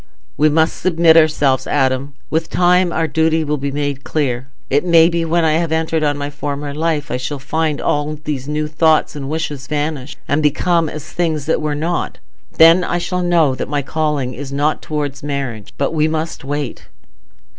"We must submit ourselves, Adam. With time, our duty will be made clear. It may be when I have entered on my former life, I shall find all these new thoughts and wishes vanish, and become as things that were not. Then I shall know that my calling is not towards marriage. But we must wait."